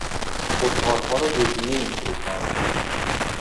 پرتقالها را دوجینی میفروختند.